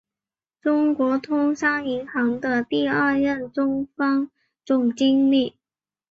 中国通商银行的第二任中方总经理。